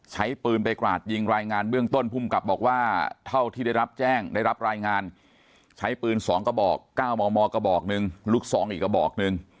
ใช้ปืนไปกราดยิงรายงานเบื้องต้นภูมิกับบอกว่าเท่าที่ได้รับแจ้งได้รับรายงานใช้ปืน๒กระบอก๙มมกระบอกหนึ่งลูกซองอีกกระบอกหนึ่ง